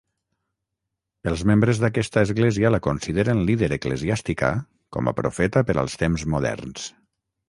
Els membres d'aquesta església la consideren líder eclesiàstica com a profeta per als temps moderns.